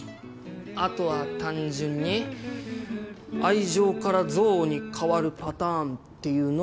後は単純に愛情から憎悪に変わるパターンっていうのもあるか。